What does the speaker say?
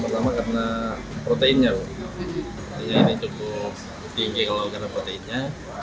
pertama karena proteinnya ini cukup tinggi kalau karena proteinnya